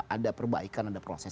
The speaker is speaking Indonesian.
ada perbaikan ada proses